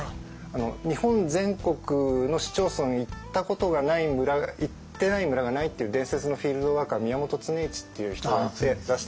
日本全国の市町村行ったことがない村行ってない村がないっていう伝説のフィールドワークは宮本常一っていう人がいて。